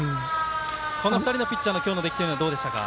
この２人のピッチャーの今日の出来はどうでしたか。